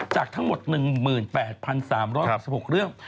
จากทั้งหมด๑๘๓๖๖เรื่อง